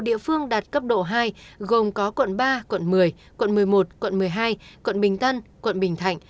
năm địa phương đạt cấp độ hai gồm có quận ba quận một mươi quận một mươi một quận một mươi hai quận bình tân quận bình thạnh